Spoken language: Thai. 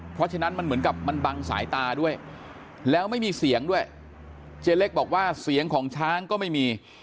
เพราะฉะนั้นมันเหมือนกับมันบังสายตาด้วยแล้วไม่มีเสียงด้วยเจ๊เล็กบอกว่าเสียงของช้างก็ไม่มี